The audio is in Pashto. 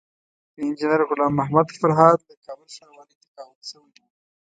انجينر غلام محمد فرهاد له کابل ښاروالۍ تقاعد شوی وو